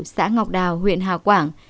xã ngọc đào huyện hà quảng